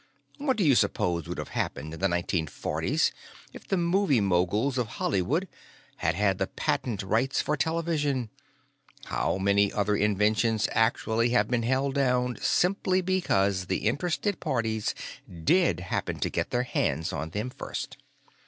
"What do you suppose would have happened in the 1940s if the movie moguls of Hollywood had had the patent rights for television? How many other inventions actually have been held down simply because the interested parties did happen to get their hands on them first?